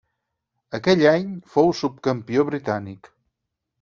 Aquell any fou subcampió britànic.